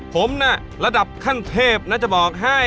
ผมน่ะระดับขั้นเทพน่าจะบอกให้